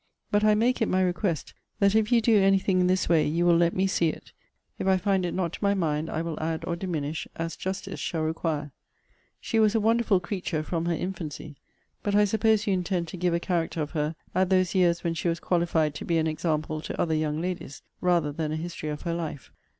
But I make it my request, that if you do any thing in this way, you will let me see it. If I find it not to my mind, I will add or diminish, as justice shall require. She was a wonderful creature from her infancy: but I suppose you intend to give a character of her at those years when she was qualified to be an example to other young ladies, rather than a history of her life. *See Letter XLV. of this volume.